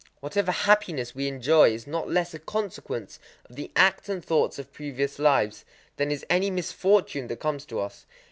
Whatever hap piness we enjoy is not less a consequence of the acts and thoughts of previous lives, than is any misfortune that comes to us.